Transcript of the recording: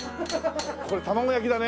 これ玉子焼きだね？